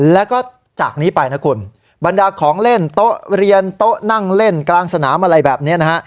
แล้วก็จากนี้ไปนะคุณบรรดาของเล่นโต๊ะเรียนโต๊ะนั่งเล่นกลางสนามอะไรแบบนี้นะฮะ